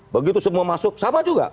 begitu semua masuk sama juga